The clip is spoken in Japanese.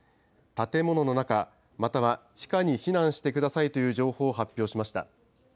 建物の中、または地下に避難してくださいという情報を発表しました。